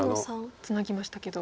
ツナぎましたけど。